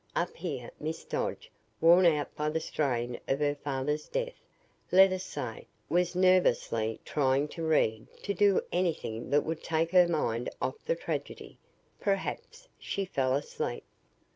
Up here, Miss Dodge, worn out by the strain of her father's death, let us say, was nervously trying to read, to do anything that would take her mind off the tragedy. Perhaps she fell asleep.